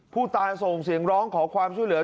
ผู้ตายส่งเสียงร้องขอความช่วยเหลือ